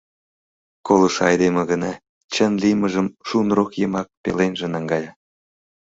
Колышо айдеме гына чын лиймыжым шунрок йымак пеленже наҥгая.